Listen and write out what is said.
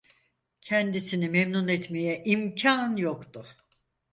Kendisini memnun etmeye imkan yoktu.